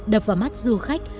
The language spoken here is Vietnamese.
đập vào mắt du khách